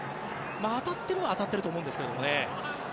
当たっているのは当たっていると思うんですけれどもね。